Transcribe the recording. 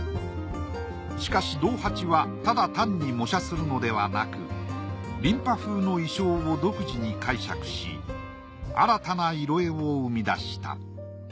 しかし道八はただ単に模写するのではなく琳派風の意匠を独自に解釈し新たな色絵を生み出した。